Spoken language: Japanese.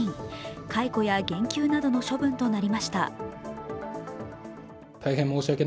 解雇や減給などの処分となりました。